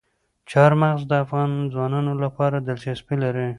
چار مغز د افغان ځوانانو لپاره دلچسپي لري.